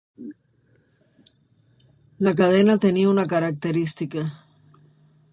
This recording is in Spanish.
La cadena tenía una característica.